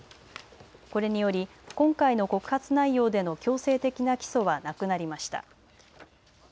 これにより今回の告発内容での強制的な起訴はなくなりました。